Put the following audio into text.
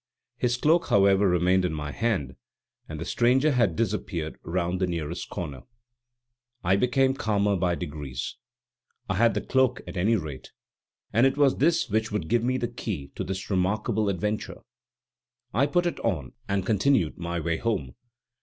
His cloak, however, remained in my hand, and the stranger had disappeared round the nearest corner. I became calmer by degrees. I had the cloak at any rate, and it was this which would give me the key to this remarkable adventure. I put it on and continued my way home.